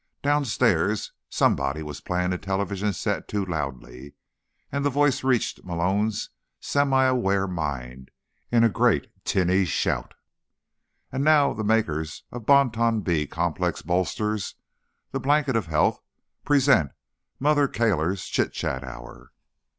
Downstairs somebody was playing a television set too loudly, and the voice reached Malone's semi aware mind in a great tinny shout: "And now, the makers of Bon Ton B Complex Bolsters—the blanket of health—present Mother Kohler's Chit Chat Hour!"